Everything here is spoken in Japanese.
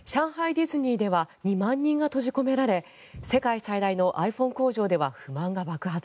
ディズニーでは２万人が閉じ込められ世界最大のｉＰｈｏｎｅ工場では不満が爆発。